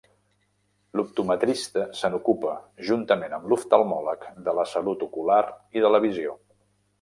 L'optometrista se n'ocupa, juntament amb l'oftalmòleg, de la salut ocular i de la visió.